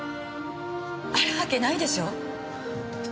あるわけないでしょう！